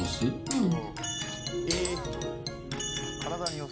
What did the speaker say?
うん。